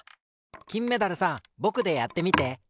きんメダルさんぼくでやってみて。